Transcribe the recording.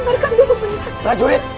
dengarkan dulu bunda